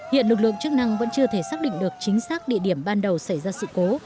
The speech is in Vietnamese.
hiện lực lượng chức năng vẫn chưa thể xác định được chính xác địa điểm ban đầu xảy ra sự cố